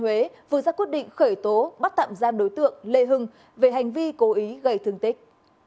huế vừa ra quyết định khởi tố bắt tạm giam đối tượng lê hưng về hành vi cố ý gây thương tích